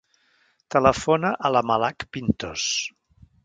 Telefona a la Malak Pintos.